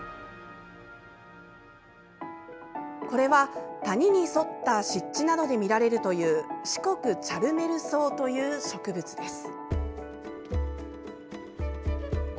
これは、谷に沿った湿地などで見られるというシコクチャルメルソウという植物です。